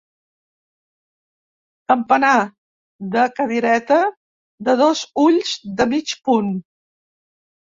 Campanar de cadireta de dos ulls de mig punt.